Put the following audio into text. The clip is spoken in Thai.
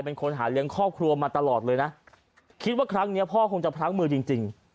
เป็นคนหาเลี้ยงครอบครัวมาตลอดเลยนะคิดว่าครั้งนี้พ่อคงจะพลั้งมือจริงจริง